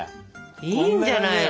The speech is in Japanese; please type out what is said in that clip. いいんじゃないの？